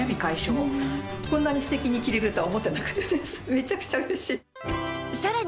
めちゃくちゃ嬉しい！